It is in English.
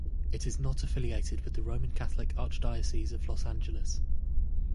It is not affiliated with the Roman Catholic Archdiocese of Los Angeles.